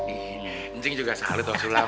incing juga salut waw sulam